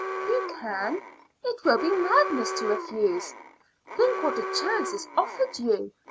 "You can. It will be madness to refuse. Think what a chance is offered you.